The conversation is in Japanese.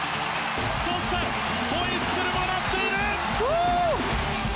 そしてホイッスルも鳴っている！